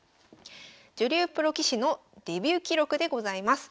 女流プロ棋士のデビュー記録でございます。